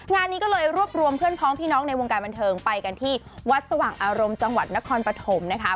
งานนี้ก็เลยรวบรวมเพื่อนพ้องพี่น้องในวงการบันเทิงไปกันที่วัดสว่างอารมณ์จังหวัดนครปฐมนะคะ